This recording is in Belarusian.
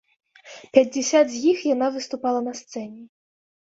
Пяцьдзясят з іх яна выступала на сцэне.